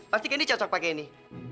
pasti candy cocok pakai ini